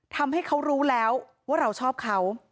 ทำให้เขารู้แล้วว่าเราชอบเขา